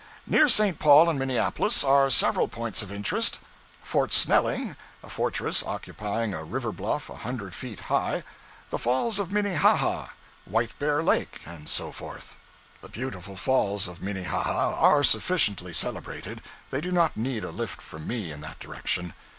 Near St. Paul and Minneapolis are several points of interest Fort Snelling, a fortress occupying a river bluff a hundred feet high; the falls of Minnehaha, White bear Lake, and so forth. The beautiful falls of Minnehaha are sufficiently celebrated they do not need a lift from me, in that direction.